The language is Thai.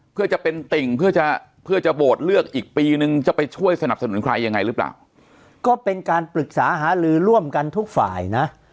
เพื่อจะเป็นติ่งเพื่อจะเพื่อจะโหวตเลือกอีกปีนึงจะไปช่วยสนับสนุนใครยังไงหรือเปล่าก็เป็นการปรึกษาหาลือร่วมกันทุกฝ่ายนะ